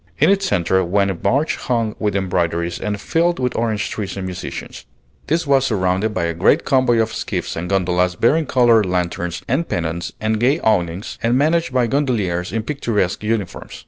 In its centre went a barge hung with embroideries and filled with orange trees and musicians. This was surrounded by a great convoy of skiffs and gondolas bearing colored lanterns and pennons and gay awnings, and managed by gondoliers in picturesque uniforms.